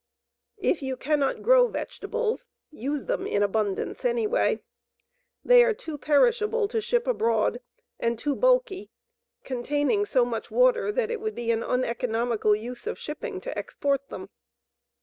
IF YOU CANNOT GROW VEGETABLES, USE THEM IN ABUNDANCE ANYWAY. They are too perishable to ship abroad and too bulky, containing so much water that it would be an uneconomical use of shipping to export them.